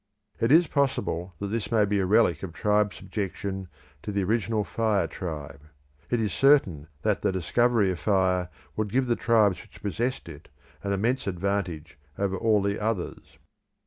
It is possible that this may be a relic of tribe subjection to the original fire tribe: it is certain that the discovery of fire would give the tribes which possessed it an immense advantage over all the others.